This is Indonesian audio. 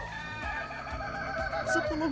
si guntur berhasil memenangkan perlombaan ayamnya